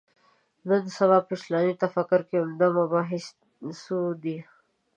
نن سبا په اسلامي تفکر کې عمده مباحثو ده.